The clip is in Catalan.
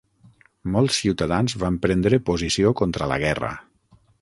Molts ciutadans van prendre posició contra la guerra.